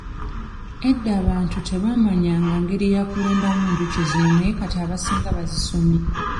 Edda abantu tebaamanyanga ngeri ya kulundamu njuki zino naye kati abasinga bazisomye.